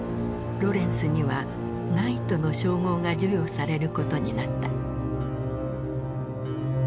ロレンスにはナイトの称号が授与されることになった。